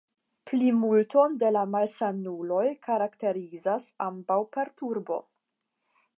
Plimulton de la malsanuloj karakterizas ambaŭ perturbo.